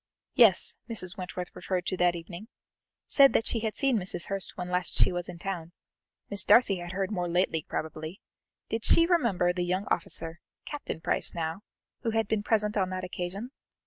Yes Mrs. Wentworth referred to that evening said that she had seen Mrs. Hurst when last she was in town Miss Darcy had heard more lately, probably did she remember the young officer, Captain Price now, who had been present on that occasion?